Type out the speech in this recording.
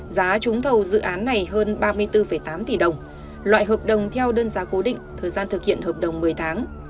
giá trúng thầu dự án này hơn ba mươi bốn tám tỷ đồng loại hợp đồng theo đơn giá cố định thời gian thực hiện hợp đồng một mươi tháng